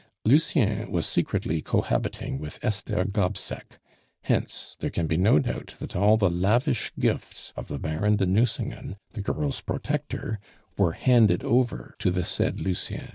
"Lucien was secretly cohabiting with Esther Gobseck; hence there can be no doubt that all the lavish gifts of the Baron de Nucingen, the girl's protector, were handed over to the said Lucien.